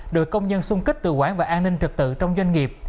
đội công nhân xung kích tự quản và an ninh trật tự trong doanh nghiệp